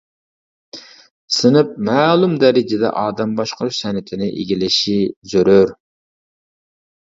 سىنىپ مەلۇم دەرىجىدە ئادەم باشقۇرۇش سەنئىتىنى ئىگىلىشى زۆرۈر.